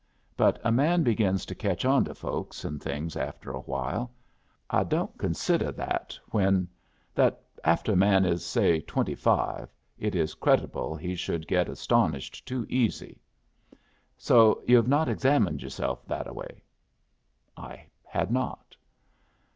But a man begins to ketch on to folks and things after a while. I don't consideh that when that afteh a man is, say twenty five, it is creditable he should get astonished too easy. And so yu've not examined yourself that away?" I had not.